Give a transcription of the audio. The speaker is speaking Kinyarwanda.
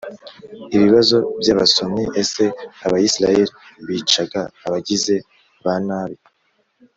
Ibibazo by abasomyi Ese Abisirayeli bicaga abagizi ba nabi